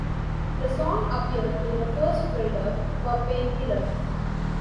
The song appeared in the first trailer for "Painkiller".